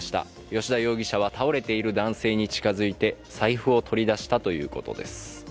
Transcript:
吉田容疑者は倒れている男性に近づいて、財布を取り出したということです。